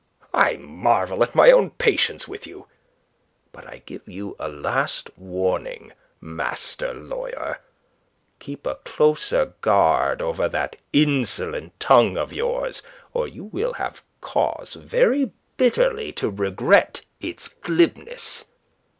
I marvel at my own patience with you. But I give you a last warning, master lawyer; keep a closer guard over that insolent tongue of yours, or you will have cause very bitterly to regret its glibness."